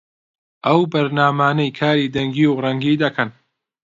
ئەو بەرنامانەی کاری دەنگی و ڕەنگی دەکەن